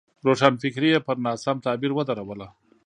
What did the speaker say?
روښانفکري یې پر ناسم تعبیر ودروله.